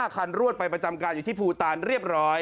คันรวดไปประจำการอยู่ที่ภูตานเรียบร้อย